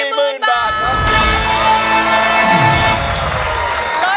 ๔หมื่นบาท